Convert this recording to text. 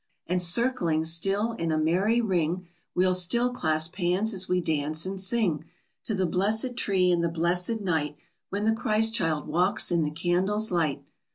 _And circling still in a merry ring We'll still clasp hands as we dance and sing To the blessed tree and the blessed night When the Christ child walks in the candles' light!